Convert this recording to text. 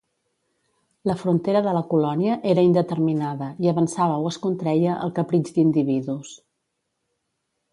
La frontera de la colònia era indeterminada i avançava o es contreia al capritx d'individus.